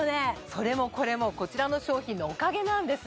それもこれもこちらの商品のおかげなんです